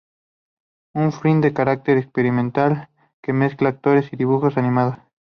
Un film de carácter experimental que mezclaba actores y dibujos animados.